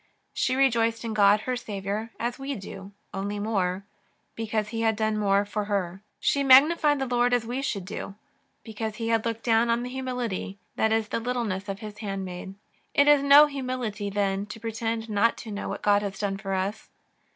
She rejoiced in God her Saviour as we do, only more, because He had done more for her. She magnified the Lord as we should do, because He had looked dowTi on the humility, that is, the littleness of His handmaid. It is no humility, then, to pretend not to know what God has done for us.